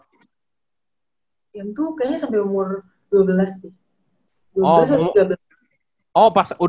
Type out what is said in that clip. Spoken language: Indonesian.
im tuh kayaknya sampai umur dua belas